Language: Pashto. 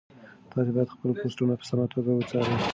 تاسي باید خپل پوسټونه په سمه توګه وڅارئ.